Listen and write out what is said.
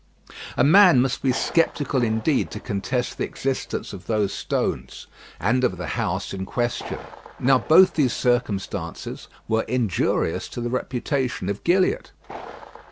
A man must be sceptical indeed to contest the existence of those stones, and of the house in question. Now both these circumstances were injurious to the reputation of Gilliatt.